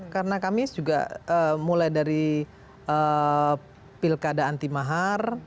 karena kami juga mulai dari pilkada anti mahar